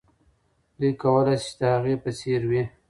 دوی کولای سي چې د هغې په څېر وي.